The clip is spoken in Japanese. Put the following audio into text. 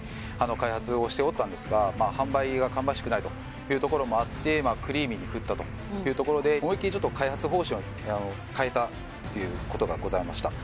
開発をしておったんですがまあ販売が芳しくないというところもあってまあクリーミーにふったというところでっていうことがございました